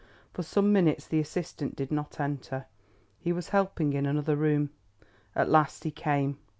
For some minutes the assistant did not enter. He was helping in another room. At last he came.